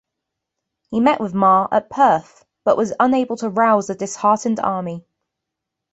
He met with Mar at Perth, but was unable to rouse the disheartened army.